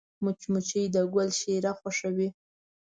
مچمچۍ د ګل شیره خوښوي